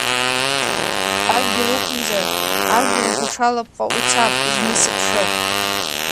Адгьыл уқәымзар, ажәҩан уҽалапҟа уцап зны сыԥшыр.